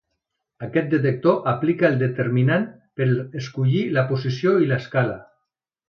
Aquest detector aplica el determinant per escollir la posició i l’escala.